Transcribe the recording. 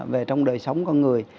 về trong đời sống con người